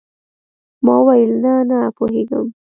ما وويل نه نه پوهېږم.